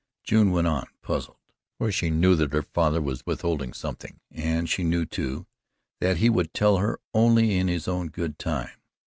June went on, puzzled, for she knew that her father was withholding something, and she knew, too, that he would tell her only in his own good time.